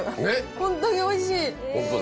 本当においしい。